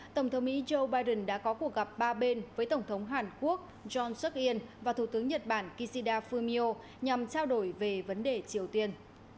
tổng thống mỹ joe biden đã có cuộc gặp ba bên với tổng thống hàn quốc yonshik in và thủ tướng nhật bản kishida fumio nhằm trao đổi về vấn đề triều tiên